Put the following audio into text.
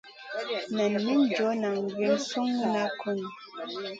Nan min junʼna vi sùnŋolo kuhʼu.